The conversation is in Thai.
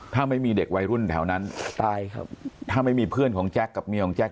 ถ้าไม่มีเด็กวัยรุ่นแถวนั้นตายครับถ้าไม่มีเพื่อนของแจ๊คกับเมียของแก๊